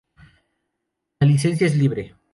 La licencia es libre.